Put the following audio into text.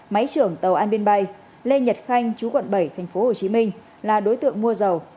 máy trưởng tàu an biên bay lê nhật khanh chú quận bảy tp hcm là đối tượng mua dầu